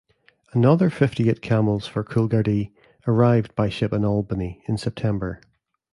Another fifty-eight camels for Coolgardie arrived by ship in Albany in September.